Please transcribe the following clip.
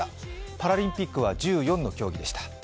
パラリンピックは１４の競技でした。